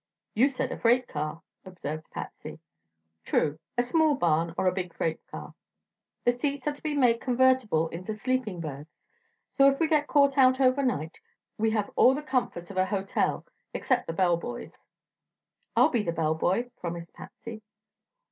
"You said a freight car," observed Patsy. "True. A small barn or a big freight car. The seats are to be made convertible into sleeping berths, so if we get caught out overnight we have all the comforts of a hotel except the bell boys." "I'll be the bell boy," promised Patsy.